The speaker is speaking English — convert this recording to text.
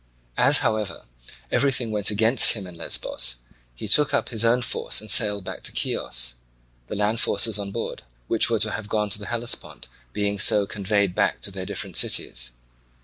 As, however, everything went against him in Lesbos, he took up his own force and sailed back to Chios; the land forces on board, which were to have gone to the Hellespont, being also conveyed back to their different cities.